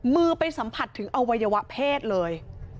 มือไปสัมผัสถึงอวัยวะเพศเลย